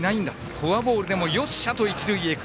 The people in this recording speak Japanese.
フォアボールでもよっしゃと一塁へ行く。